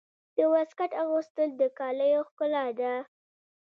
د واسکټ اغوستل د کالیو ښکلا ده.